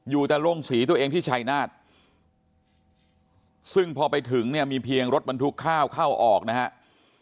อยู่แต่โรงสีตัวเองที่ชายนาฏซึ่งพอไปถึงเนี่ยมีเพียงรถบรรทุกข้าวเข้าออกนะครับ